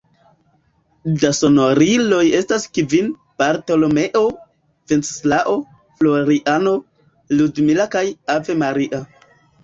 Da sonoriloj estas kvin: Bartolomeo, Venceslao, Floriano, Ludmila kaj Ave Maria.